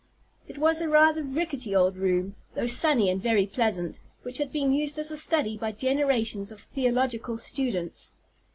It was a rather rickety old room, though sunny and very pleasant, which had been used as a study by generations of theological students.